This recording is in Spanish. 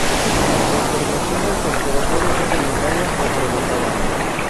La intervención del tercero puede ser voluntaria o provocada.